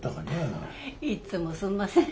いつもすんません。